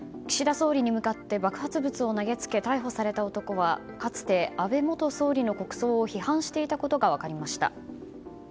総理に向かって爆発物を投げつけ逮捕された男はかつて、安倍元総理の国葬を批判していたことが分かりました。